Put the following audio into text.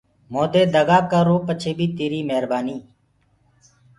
مودي دگآ ڪررو پڇي بيٚ تيريٚ مهربآنيٚ